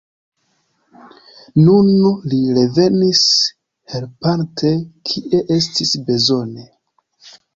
Nun li revenis helpante, kie estis bezone.